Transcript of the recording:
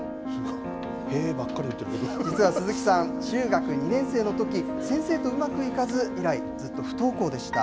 実は鈴木さん中学２年生のとき先生とうまくいかず以来、ずっと不登校でした。